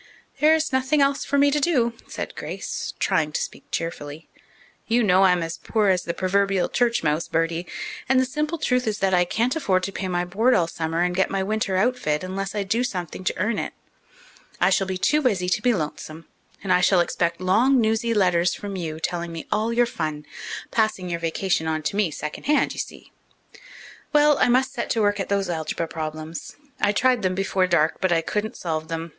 "There is nothing else for me to do," said Grace, trying to speak cheerfully. "You know I'm as poor as the proverbial church mouse, Bertie, and the simple truth is that I can't afford to pay my board all summer and get my winter outfit unless I do something to earn it. I shall be too busy to be lonesome, and I shall expect long, newsy letters from you, telling me all your fun passing your vacation on to me at second hand, you see. Well, I must set to work at those algebra problems. I tried them before dark, but I couldn't solve them.